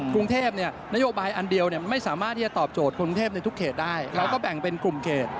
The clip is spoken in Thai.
กรุงเทพนโยบายอันเดียวมันไม่สามารถที่จะตอบโจทย์กรุงเทพในทุกเขตได้เราก็แบ่งเป็นกลุ่มเขต